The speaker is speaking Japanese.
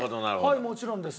はいもちろんです。